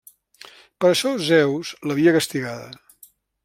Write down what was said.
Per això Zeus l'havia castigada.